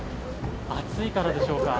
暑いからでしょうか。